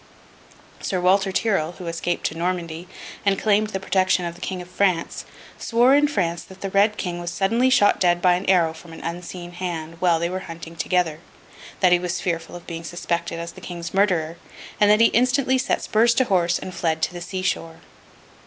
Sir Walter Tyrrel, who escaped to Normandy, and claimed the protection of the King of France, swore in France that the Red King was suddenly shot dead by an arrow from an unseen hand, while they were hunting together; that he was fearful of being suspected as the King's murderer; and that he instantly set spurs to his horse, and fled to the sea shore.